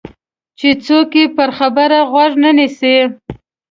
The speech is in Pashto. چې څوک یې پر خبره غوږ نه نیسي.